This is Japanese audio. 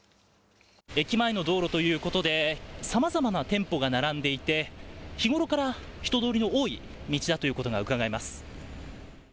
駅前の道路ということで、さまざまな店舗が並んでいて、日頃から人通りの多い道だということがうかがえます。